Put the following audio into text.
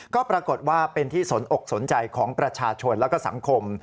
ก็ปรากฏว่าเป็นที่สนอกสนใจของประชาชนและก็สังคม